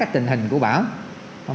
tình hình của bão